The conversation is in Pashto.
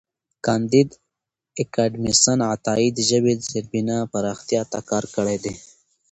کانديد اکاډميسن عطايي د ژبې د زېربنا پراختیا ته کار کړی دی.